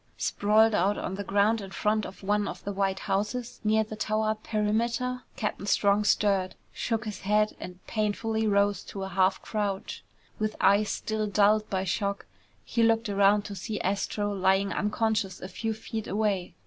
Sprawled on the ground in front of one of the white houses near the tower perimeter, Captain Strong stirred, shook his head, and painfully rose to a half crouch. With eyes still dulled by shock, he looked around to see Astro lying unconscious a few feet away.